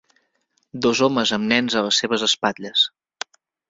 Dos homes amb nens a les seves espatlles.